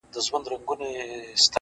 زما د زړه په هغه شين اسمان كي _